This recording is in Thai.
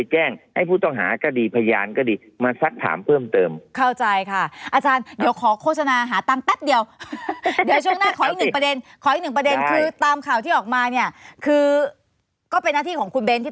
ใช่ไหมยังไม่บอกว่าตรงผมสิ